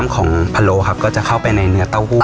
ของพะโลครับก็จะเข้าไปในเนื้อเต้าหู้